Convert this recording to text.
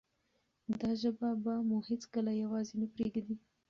دا ژبه به مو هیڅکله یوازې نه پریږدي.